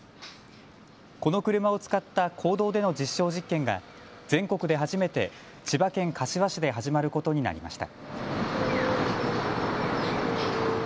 この車を使った公道での実証実験が全国で初めて千葉県柏市で始まることになりました。